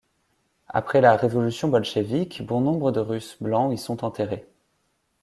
Après la révolution bolchévique, bon nombre de Russes blancs y sont enterrés.